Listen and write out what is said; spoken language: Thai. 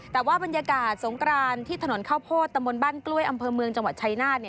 แต่ว่าบรรยากาศสงกรานที่ถนนข้าวโพดตะมนต์บ้านกล้วยอำเภอเมืองจังหวัดชายนาฏ